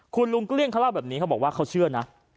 คุณลุงเกลี้ยงเขาเล่าแบบนี้เขาบอกว่าเขาเชื่อนะ